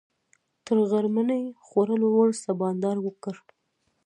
تر غرمنۍ خوړلو وروسته بانډار وکړ.